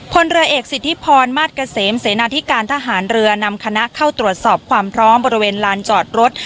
พลเรือเอกสิทธิพรมาสเกษมเสนาธิการทหารเรือนำคณะเข้าตรวจสอบความพร้อมบริเวณลานจอดรถ